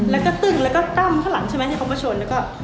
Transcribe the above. แล้วก็ตึ้งแล้วก็ตั้มข้างหลังใช่ไหมที่เขามาชนแล้วก็